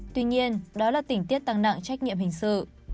tuy nhiên đó là tình tiết tăng nặng trách nhiệm hình sự